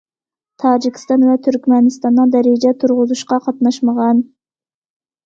تاجىكىستان ۋە تۈركمەنىستاننىڭ دەرىجە تۇرغۇزۇشقا قاتناشمىغان.